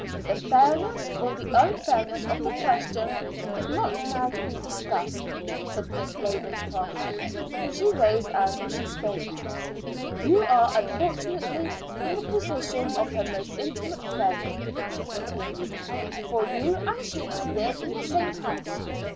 "The fairness or the unfairness of the question is not now to be discussed," said Miss Ravenscroft. She rose as she spoke. "You are unfortunately in the position of her most intimate friend," she continued, "for you and she live in the same house.